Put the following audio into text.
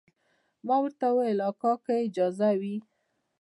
ما ورته وویل کاکا که اجازه وي.